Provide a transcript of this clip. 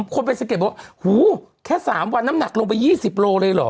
คนไปสังเกตว่าหูแค่๓วันน้ำหนักลงไป๒๐โลเลยเหรอ